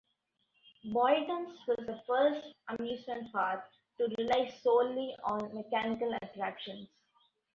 Boyton's was the first amusement park to rely solely on mechanical attractions.